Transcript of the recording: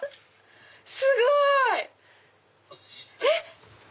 すごい！えっ！